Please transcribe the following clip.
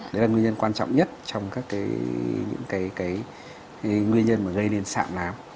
đấy là nguyên nhân quan trọng nhất trong các nguyên nhân gây nên sạm nám